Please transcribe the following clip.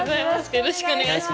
よろしくお願いします。